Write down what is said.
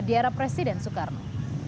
di era presiden soekarno